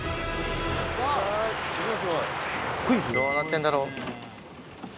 どうなってんだろう。